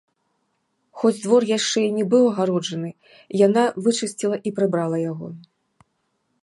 Хоць двор яшчэ і не быў абгароджаны, яна вычысціла і прыбрала яго.